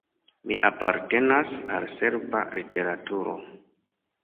Mi apartenas al serba literaturo.